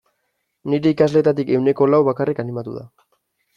Nire ikasleetatik ehuneko lau bakarrik animatu da.